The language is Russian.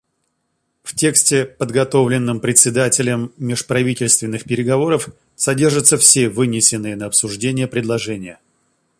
В тексте, подготовленном Председателем межправительственных переговоров, содержатся все вынесенные на обсуждение предложения.